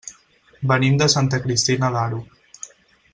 Venim de Santa Cristina d'Aro.